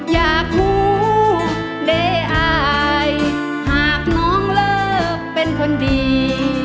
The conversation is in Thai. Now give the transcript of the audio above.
อยากมู้เดอายหากน้องเลิกเป็นคนดี